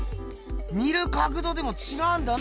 見る角度でもちがうんだな。